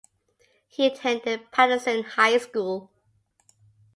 He attended Patterson High school.